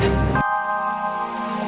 pembesar recoalleikit lawu